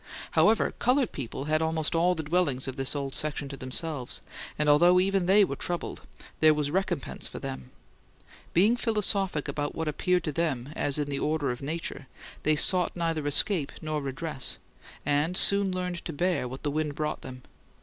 However, coloured people had almost all the dwellings of this old section to themselves; and although even they were troubled, there was recompense for them. Being philosophic about what appeared to them as in the order of nature, they sought neither escape nor redress, and soon learned to bear what the wind brought them.